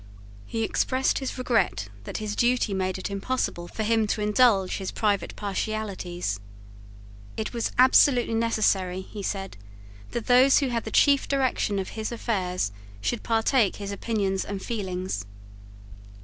He expressed his regret that his duty made it impossible for him to indulge his private partialities. It was absolutely necessary, he said, that those who had the chief direction of his affairs should partake his opinions and feelings.